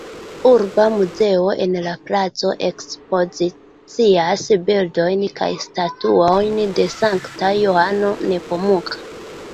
Urba muzeo en la placo ekspozicias bildojn kaj statuojn de sankta Johano Nepomuka.